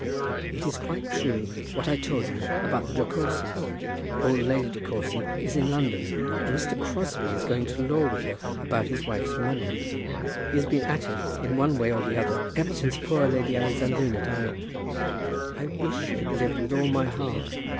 It is quite true what I told you about the De Courcys. Old Lady De Courcy is in London, and Mr. Crosbie is going to law with her about his wife's money. He has been at it in one way or the other ever since poor Lady Alexandrina died. I wish she had lived, with all my heart.